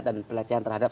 dan pelecehan terhadap